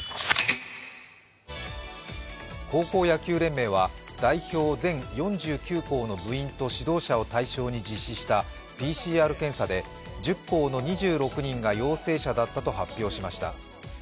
高校野球連盟は代表全４９校の部員と指導者を対象に実施したＰＣＲ検査で１０校の２６人が陽性者だったと発表しました。